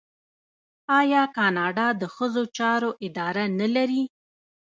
آیا کاناډا د ښځو چارو اداره نلري؟